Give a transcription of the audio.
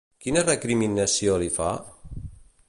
Quina recriminació li fa?